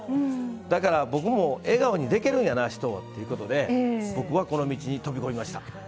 だから僕も笑顔にできるんやな人をということで僕はこの道に飛び込みました。